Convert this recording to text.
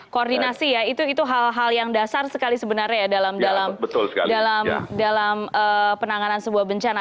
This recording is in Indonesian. koordinasi ya itu hal hal yang dasar sekali sebenarnya ya dalam penanganan sebuah bencana